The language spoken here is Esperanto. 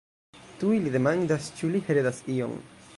Tuj li demandas, ĉu li heredas ion.